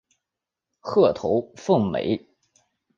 褐头凤鹛。